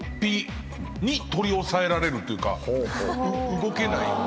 動けない。